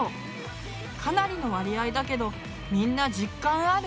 かなりの割合だけどみんな実感ある？